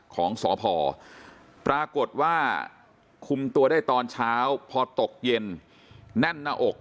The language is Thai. ของสพปรากฏว่าคุมตัวได้ตอนเช้าพอตกเย็นแน่นหน้าอก